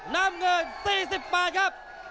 น้ำเงิน๔๘ครับ